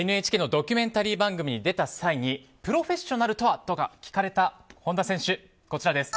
ＮＨＫのドキュメンタリー番組に出演した際プロフェッショナルとはと聞かれた本田選手。